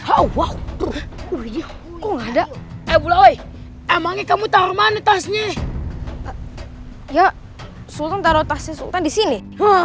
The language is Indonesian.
emangnya kamu taruh mana tasnya ya sultan taruh tasnya disini